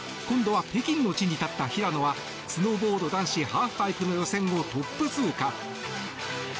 今度は北京の地に立った平野はスノーボード男子ハーフパイプの予選をトップ通過。